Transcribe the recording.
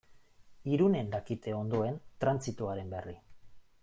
Irunen dakite ondoen trantsitoaren berri.